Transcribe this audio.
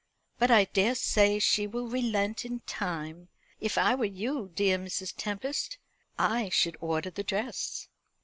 But I daresay she will relent in time. If I were you, dear Mrs. Tempest, I should order the dress."